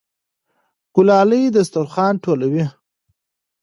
ګلالۍ دسترخوان ټولوي.